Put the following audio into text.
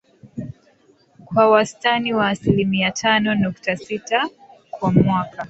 kwa wastani wa asilimia tano nukta sita kwa mwaka